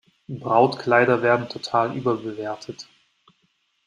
Brautkleider werden total überbewertet.